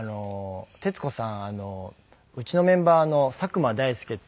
徹子さんうちのメンバーの佐久間大介っていう。